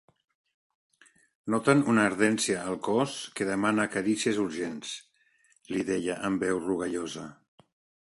Noten una ardència al cos que demana carícies urgents —li deia amb veu rogallosa—.